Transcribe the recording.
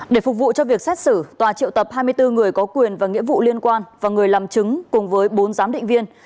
để phục vụ cho việc xét xử tòa triệu tập hai mươi bốn người có quyền và nghĩa vụ liên quan và người làm chứng cùng với bốn giám định viên